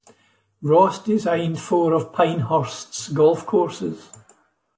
Ross designed four of Pinehurst's golf courses.